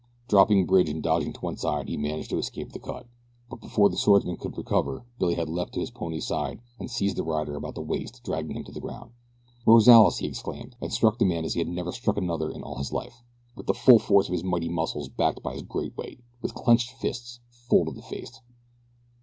Dropping Bridge and dodging to one side he managed to escape the cut, and before the swordsman could recover Billy had leaped to his pony's side and seizing the rider about the waist dragged him to the ground. "Rozales!" he exclaimed, and struck the man as he had never struck another in all his life, with the full force of his mighty muscles backed by his great weight, with clenched fist full in the face.